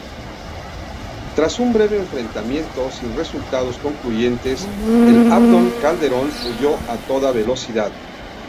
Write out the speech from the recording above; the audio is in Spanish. Tras un breve enfrentamiento, sin resultados concluyentes, el "Abdón Calderón" huyó a toda velocidad.